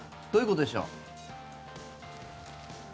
どういうことでしょう。